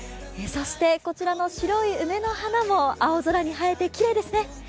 そして、こちらの白い梅の花も青空に映えてきれいですね。